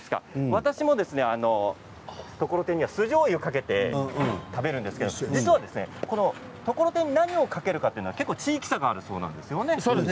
私も、ところてんには酢じょうゆをかけて食べるんですけど実は、ところてんに何をかけるかというのは地域差があるそうなんですよね。